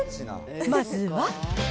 まずは。